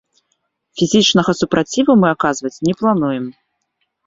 Фізічнага супраціву мы аказваць не плануем.